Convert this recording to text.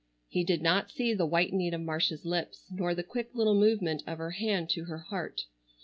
He did not see the whitening of Marcia's lips, nor the quick little movement of her hand to her heart.